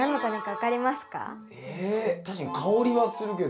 確かに香りはするけど。